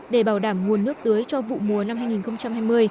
để bảo đảm nguồn nước tưới cho vụ mùa năm hai nghìn hai mươi